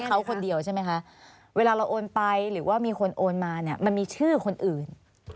เขาคนเดียวใช่ไหมคะเวลาเราโอนไปหรือว่ามีคนโอนมาเนี่ยมันมีชื่อคนอื่น